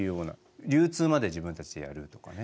流通まで自分たちでやるとかね。